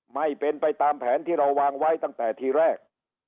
ไม่เป็นไปตามแผนที่เราวางไว้ตั้งแต่ทีแรก